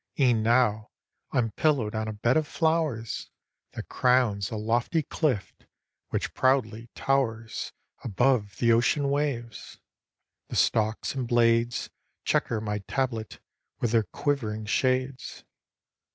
E'en now I'm pillow'd on a bed of flowers That crowns a lofty clift, which proudly towers Above the ocean waves. The stalks, and blades, Chequer my tablet with their quivering shades.